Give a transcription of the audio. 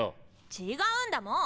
違うんだもん！